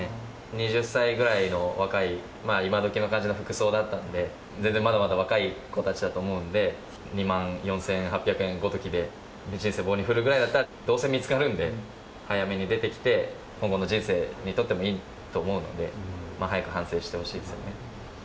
２０歳ぐらいの若い、まあ、今どきの感じの服装だったんで、全然まだまだ若い子たちだと思うんで、２万４８００円ごときで人生棒に振るぐらいだったら、どうせ見つかるんで、早めに出てきて、今後の人生にとってもいいと思うので、早く反省してほしいですよね。